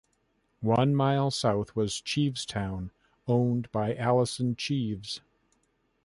One mile south was Chevestown, owned by Allison Cheeves.